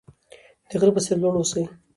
د غره په څیر لوړ اوسئ.